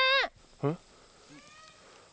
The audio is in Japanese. うん？